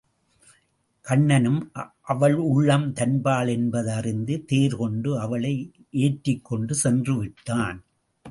கண்ணனும் அவள் உள்ளம் தன்பால் என்பது அறிந்து தேர் கொண்டு அவளை ஏற்றிக் கொண்டு சென்று விட்டான்.